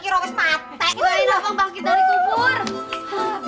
ini lainnya bangkit dari kubur